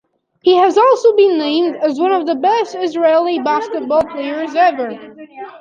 He has also been named as one of the best Israeli basketball players ever.